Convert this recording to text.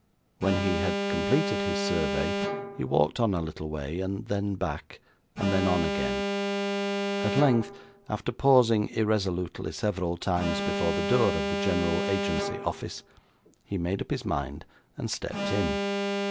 When he had completed his survey he walked on a little way, and then back, and then on again; at length, after pausing irresolutely several times before the door of the General Agency Office, he made up his mind, and stepped in.